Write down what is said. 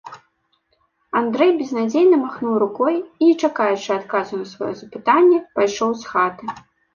Андрэй безнадзейна махнуў рукой і, не чакаючы адказу на сваё запытанне, пайшоў з хаты.